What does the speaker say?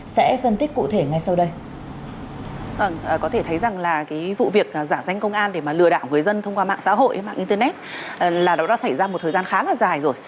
sẽ phân tích cụ thể ngay sau đây